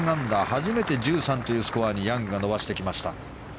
初めて１３というスコアにヤングが伸ばしてきました。